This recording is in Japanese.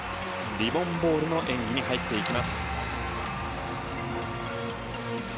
リボン・ボールの演技に入っていきます。